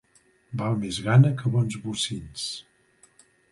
Val més gana que bons bocins.